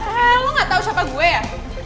eh lo gak tau siapa gue ya